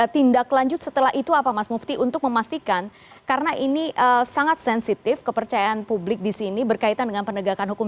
tindak lanjut setelah itu apa mas mufti untuk memastikan karena ini sangat sensitif kepercayaan publik di sini berkaitan dengan penegakan hukum